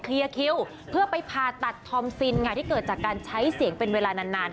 คิวเพื่อไปผ่าตัดทอมซินค่ะที่เกิดจากการใช้เสียงเป็นเวลานาน